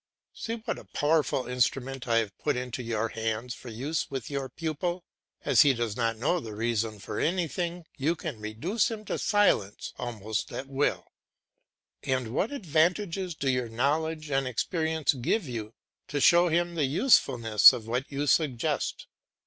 See what a powerful instrument I have put into your hands for use with your pupil. As he does not know the reason for anything you can reduce him to silence almost at will; and what advantages do your knowledge and experience give you to show him the usefulness of what you suggest.